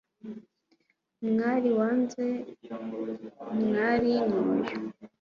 Umwari wanze umwarimu nuyu